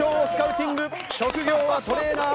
職業はトレーナー。